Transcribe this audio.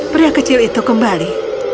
pria kecil itu kembali